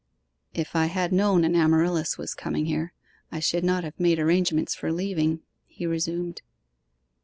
'If I had known an Amaryllis was coming here, I should not have made arrangements for leaving,' he resumed.